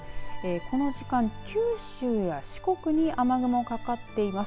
この時間、九州や四国に雨雲がかかっています。